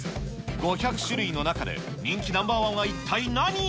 ５００種類の中で、人気ナンバーワンは一体何？